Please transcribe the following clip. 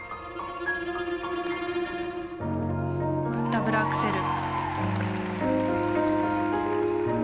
ダブルアクセル。